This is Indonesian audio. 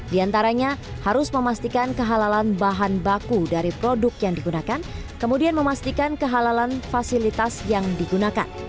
di antaranya harus memastikan kehalalan bahan baku dari produk yang digunakan kemudian memastikan kehalalan fasilitas yang digunakan